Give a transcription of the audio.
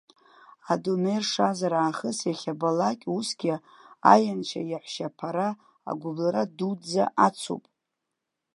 Адунеи ршазар аахыс иахьабалакь усгьы аианшьа-иаҳәшьаԥара агәыбылра дуӡӡа ацуп.